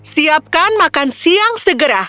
siapkan makan siang segera